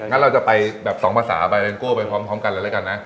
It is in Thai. งั้นเราจะไปแบบสองภาษาไปไปพร้อมกันเลยละกันนะ